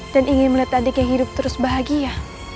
dan ingin melihat adiknya hidup terus bahagia